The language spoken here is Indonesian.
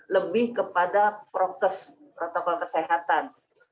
lebih kepada prokes protokol kesehatan